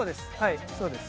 そうです。